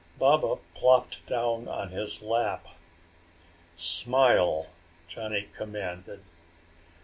Baba plopped down on his lap. "Smile," Johnny commanded.